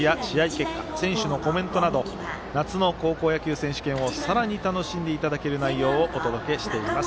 結果選手のコメントなど夏の高校野球選手権をさらに楽しんでいただける内容をお届けしています。